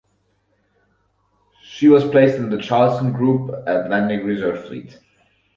She was placed in the Charleston Group, Atlantic Reserve Fleet.